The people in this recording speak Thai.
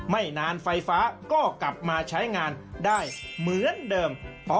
ไม่นานไฟฟ้าก็กลับมาใช้งานได้เหมือนเดิม